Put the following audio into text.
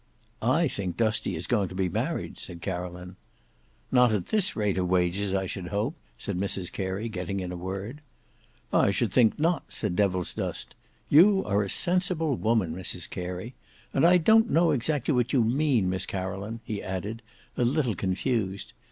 "I think Dusty is going to be married," said Caroline. "Not at this rate of wages I should hope," said Mrs Carey, getting in a word. "I should think not," said Devilsdust. "You are a sensible woman, Mrs Carey. And I don't know exactly what you mean, Miss Caroline," he added, a little confused.